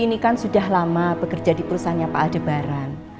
ini kan sudah lama bekerja di perusahaan pak aldebaran